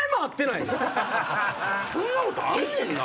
そんなことあんねんな。